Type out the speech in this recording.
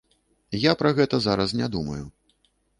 Я пра гэта зараз не думаю.